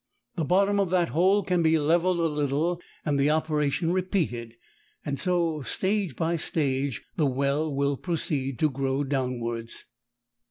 The bottom of that hole can be levelled a little and the operation repeated, and so stage by stage the well will proceed to grow downwards.